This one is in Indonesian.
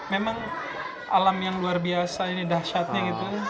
memang alam yang luar biasa ini dahsyatnya gitu